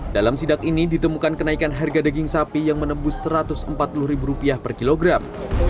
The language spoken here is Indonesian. dalam sidak ini ditemukan kenaikan harga daging sapi yang menembus rp satu ratus empat puluh per kilogram